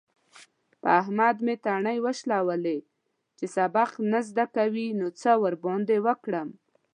په احمد مې تڼۍ وشلولې. چې سبق نه زده کوي؛ نو څه ورباندې وکړم؟!